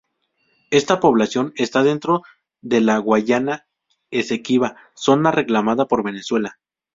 Esta población está dentro de la Guayana Esequiba, zona reclamada por Venezuela.